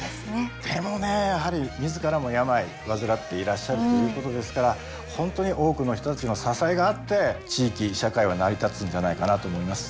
でもねやはり自らも病患っていらっしゃるということですから本当に多くの人たちの支えがあって地域社会は成り立つんじゃないかなと思います。